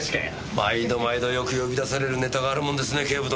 毎度毎度よく呼び出されるネタがあるもんですね警部殿。